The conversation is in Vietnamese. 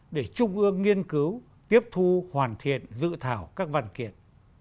để trung ương nghiên cứu tiếp thu hoàn thiện dự thảo các văn kiện